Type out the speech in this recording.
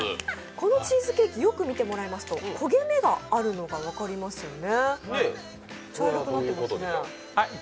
このチーズケーキよく見てもらいますと焦げ目があるのが分かりますよね？